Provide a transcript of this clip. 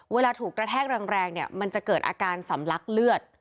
เวลาถูกกระแทกแรงเนี่ยมันจะเกิดอาการสำลักเลือด